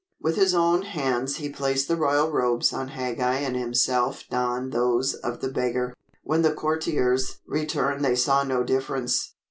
With his own hands he placed the royal robes on Hagag and himself donned those of the beggar. When the courtiers returned they saw no difference.